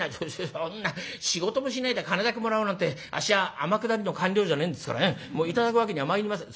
「そんな仕事もしないで金だけもらおうなんてあっしは天下りの官僚じゃねえんですからね頂くわけにはまいりません」。